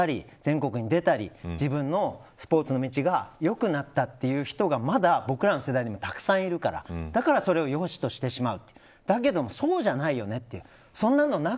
その時代に成果を出して全国優勝したり全国に出たり自分のスポーツの道が良くなったという人がまだ僕らの世代にもたくさんいるからだから、それを良しとしてしまう。